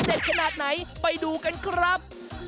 ขนาดไหนไปดูกันครับ